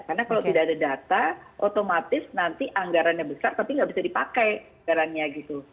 karena kalau tidak ada data otomatis nanti anggarannya besar tapi nggak bisa dipakai anggarannya gitu